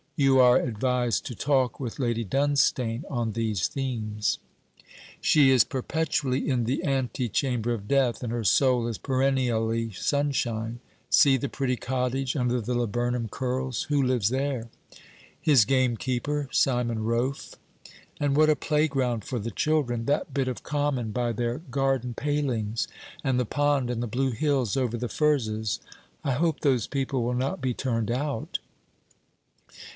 You are advised to talk with Lady Dunstane on these themes. She is perpetually in the antechamber of death, and her soul is perennially sunshine. See the pretty cottage under the laburnum curls! Who lives there?' 'His gamekeeper, Simon Rofe.' 'And what a playground for the children, that bit of common by their garden palings! and the pond, and the blue hills over the furzes. I hope those people will not be turned out.'